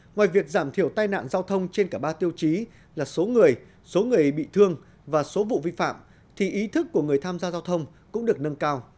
ngoài việc giảm thiểu tai nạn giao thông trên cả ba tiêu chí là số người số người bị thương và số vụ vi phạm thì ý thức của người tham gia giao thông cũng được nâng cao